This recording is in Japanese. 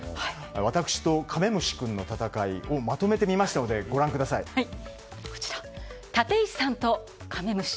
私とカメムシ君の戦いをまとめてみましたので「タテイシさんとカメムシ」。